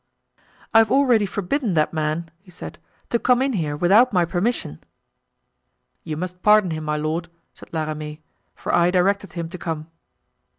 "I have already forbidden that man," he said, "to come in here without my permission." "You must pardon him, my lord," said La Ramee, "for I directed him to come."